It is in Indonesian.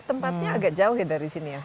tempatnya agak jauh ya dari sini ya